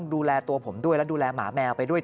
เหตุผลที่เป็นหมอบอกว่าน่าจะเป็นเพราะคุณพักผ่อนน้อย